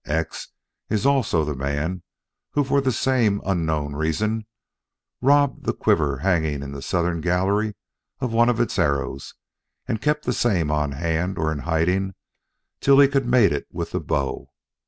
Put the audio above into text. X is also the man who for the same unknown reason robbed the quiver hanging in the southern gallery of one of its arrows and kept the same on hand or in hiding, till he could mate it with the bow.